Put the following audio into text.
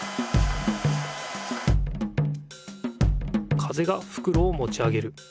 風がふくろをもち上げる。